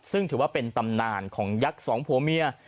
ซึ่งถือว่าเป็นตำนานของยักษ์สองผัวเมีย